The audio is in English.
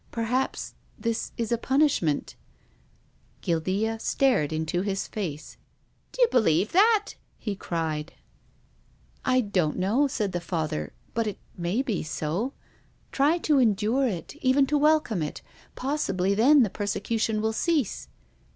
Perhaps this is a punishment." Guildea stared into his face. " D'you believe that ?" he cried. " I don't know," said the Father. " But it may be so. Try to endure it, even to welcome it. Possibly then the persecution will cease."